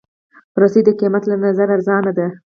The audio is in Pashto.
رسۍ د قېمت له نظره ارزانه ده.